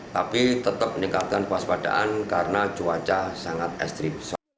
tapi tetap meningkatkan waspadaan karena cuaca sangat estri